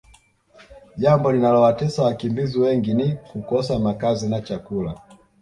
jambo linalowatesa wakimbizi wengini kukosa makazi na chakula